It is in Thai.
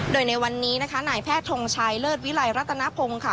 โดยในวันนี้นะคะนายแพทย์ทงชัยเลิศวิลัยรัตนพงศ์ค่ะ